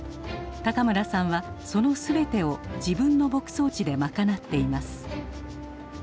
村さんはその全てを自分の牧草地で賄っています。